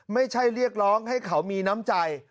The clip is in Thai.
ไม่ใช่เรียกร้องให้เขามีน้ำใจ